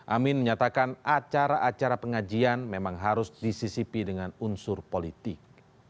amin menyatakan acara acara pengajian memang harus disisipi dengan unsur politik